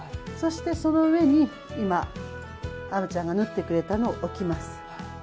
そして、その上に今、虻ちゃんが縫ってくれたのを置きます。